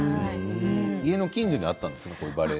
家の近所だったんですか？